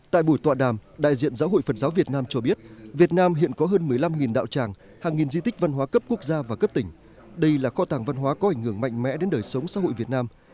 tại buổi tọa đàm đại diện giáo hội phật giáo việt nam cho biết việt nam hiện có hơn một mươi năm đạo tràng hàng nghìn di tích văn hóa cấp quốc gia và cấp tỉnh đây là kho tàng văn hóa có ảnh hưởng mạnh mẽ đến đời sống xã hội việt nam